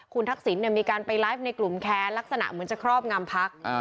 คุณทักษิณมีการไปไลฟ์ในกลุ่มแค้นลักษณะเหมือนจะครอบงำพัก